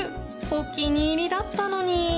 お気に入りだったのに